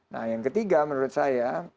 nah yang ketiga menurut saya